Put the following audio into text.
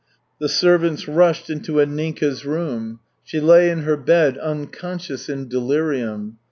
The servants rushed into Anninka's room. She lay in her bed unconscious in delirium.